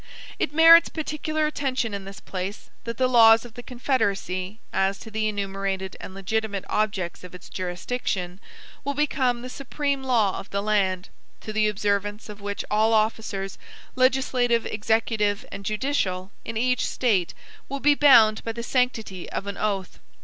It merits particular attention in this place, that the laws of the Confederacy, as to the ENUMERATED and LEGITIMATE objects of its jurisdiction, will become the SUPREME LAW of the land; to the observance of which all officers, legislative, executive, and judicial, in each State, will be bound by the sanctity of an oath.